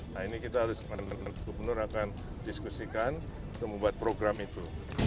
nah ini kita harus gubernur akan diskusikan untuk membuat program itu